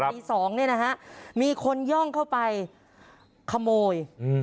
ตีสองเนี่ยนะฮะมีคนย่องเข้าไปขโมยอืม